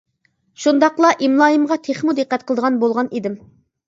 شۇنداقلا، ئىملايىمغا تېخىمۇ دىققەت قىلىدىغان بولغان ئىدىم.